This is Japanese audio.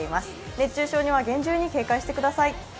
熱中症には厳重に警戒してください。